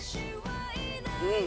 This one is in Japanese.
うん。